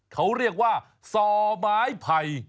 เขาเรียกว่าซอไม้ไผ่